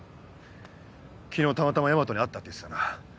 昨日たまたま大和に会ったって言ってたな？